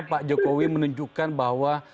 pak jokowi menunjukkan bahwa